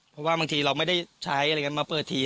เพราะว่าบางทีเราไม่ได้ใช้อะไรกันมาเปิดที